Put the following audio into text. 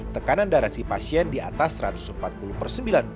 tekanan darah si pasien di atas satu ratus empat puluh per sembilan puluh